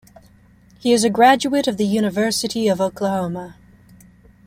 He is a graduate of the University of Oklahoma.